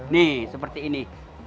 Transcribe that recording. nih seperti ini